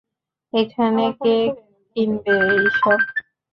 এখানে কে কিনবে এইসব?